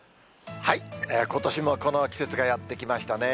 ことしもこの季節がやって来ましたね。